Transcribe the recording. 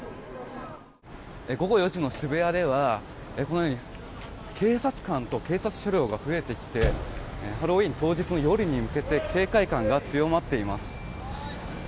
午後４時の渋谷ではこのように警察官と警察車両が増えてきてハロウィーン当日の夜に向けて警戒感が強まっています。